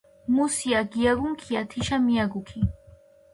მუსიო გიაგუქია თოშა მიაგუქი